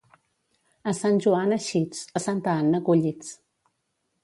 A Sant Joan eixits, a Santa Anna collits.